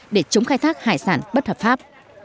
để chống khai thác hải sản bất hợp pháp